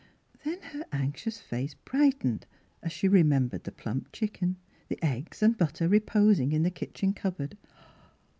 Then her anxious face brightened, as she remembered the plump chicken, the eggs and butter reposing in the kitchen cupboard.